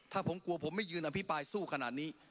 ถ้าผมกลัวผมไม่ยืนอภิปรายสู้ขนาดนี้